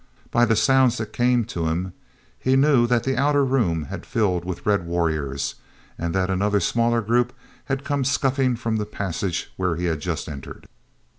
By the sounds that came to him, he knew that the outer room had filled with red warriors, and that another smaller group had come scuffing from the passage where he had just entered.